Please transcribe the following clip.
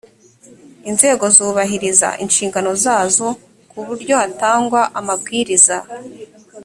inzego zubahiriza inshingano zazo ku buryo hatangwa amabwiriza